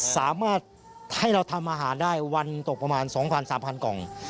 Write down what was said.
สามารถให้เราทำอาหารได้วันตกประมาณ๒๐๐๓๐๐กล่อง